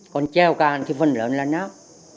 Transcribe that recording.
còn trèo cạn thì phần lớn là náp